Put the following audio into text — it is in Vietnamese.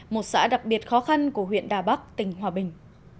một xã đặc biệt khó khăn của huyện đà bắc tỉnh hòa bình